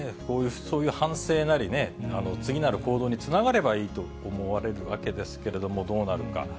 そういう反省なりね、次なる行動につながればいいと思われるわけですけれども、どうなるか。